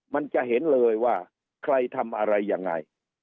มันจะเห็นเลยว่าใครทำอะไรยังไง